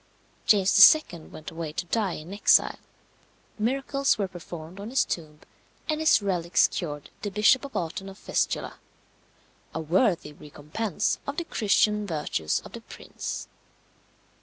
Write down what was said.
James II. went away to die in exile, miracles were performed on his tomb, and his relics cured the Bishop of Autun of fistula a worthy recompense of the Christian virtues of the prince.